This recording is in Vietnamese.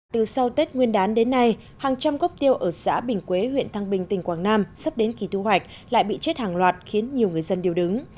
từ sau tết nguyên đán đến nay hàng trăm gốc tiêu ở xã bình quế huyện thăng bình tỉnh quảng nam sắp đến kỳ thu hoạch lại bị chết hàng loạt khiến nhiều người dân điều đứng